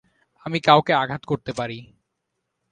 আমি কাউকে আঘাত করতে পারি।